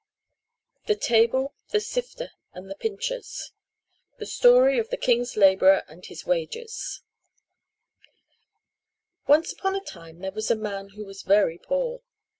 THE TABLE, THE SIFTER AND THE PINCHERS The Story of the King's Laborer and His Wages Once upon a time there was a man who was very poor.